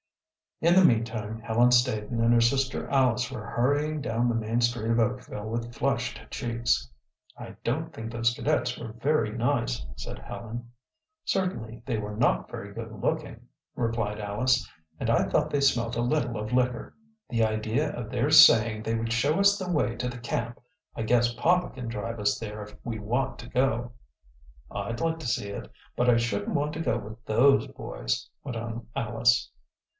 In the meantime Helen Staton and her sister Alice were hurrying down the main street of Oakville with flushed cheeks. "I don't think those cadets were very nice," said Helen. "Certainly they were not very good looking," replied Alice. "And I thought they smelt a little of liquor." "The idea of their saying they would show us the way to the camp! I guess papa can drive us there if we want to go." "I'd like to see it. But I shouldn't want to go with those boys," went on Alice.